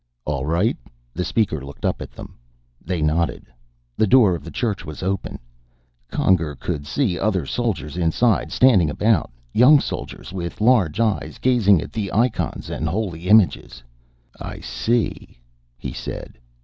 "All right?" The Speaker looked up at them. They nodded. The door of the Church was open. Conger could see other soldiers inside, standing about, young soldiers with large eyes, gazing at the ikons and holy images. "I see," he said.